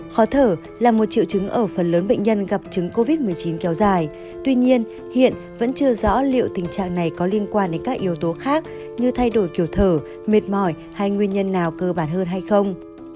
khó thở là một triệu chứng ở phần lớn bệnh nhân gặp trứng covid một mươi chín kéo dài tuy nhiên hiện vẫn chưa rõ liệu tình trạng này có liên quan đến các yếu tố khác như thay đổi kiểu thở mệt mỏi hay nguyên nhân nào cơ bản hơn hay không